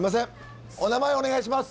お名前お願いします。